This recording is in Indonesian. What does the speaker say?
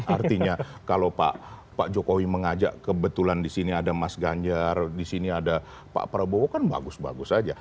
artinya kalau pak jokowi mengajak kebetulan di sini ada mas ganjar di sini ada pak prabowo kan bagus bagus saja